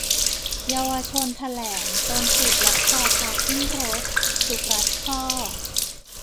เยาวชนแถลงตนถูกล็อกคอพาขึ้นรถ-ถูกรัดข้อ